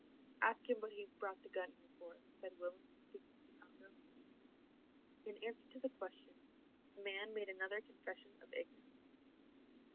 "Ask him what he brought the gun here for," said Willem, speaking to Congo. In answer to the question, the man made another confession of ignorance.